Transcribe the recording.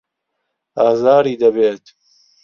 ئازاری دەبێت.